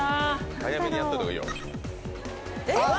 えっ？